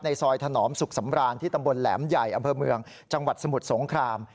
ซอยถนอมสุขสำราญที่ตำบลแหลมใหญ่อำเภอเมืองจังหวัดสมุทรสงคราม